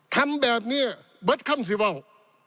ทำแบบนี้เบิดข้ำสิว่าว